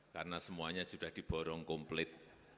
karena semuanya sudah diborong komplit